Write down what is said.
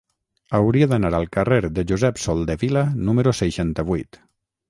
Hauria d'anar al carrer de Josep Soldevila número seixanta-vuit.